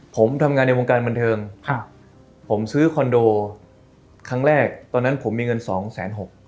ผมทำงานในวงการบันเทิงผมซื้อคอนโดครั้งแรกตอนนั้นผมมีเงินสองแสนหก